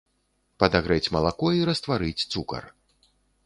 Падагрэць малако і растварыць цукар.